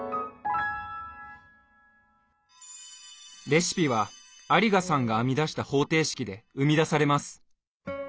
レシピは有賀さんが編み出した方程式で生み出されます。